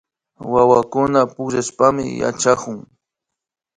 Wawakunaka pukllashpami yachakun